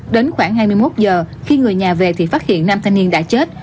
đến khoảng hai mươi một h khi người nhà về thì phát hiện nam thanh niên đã chết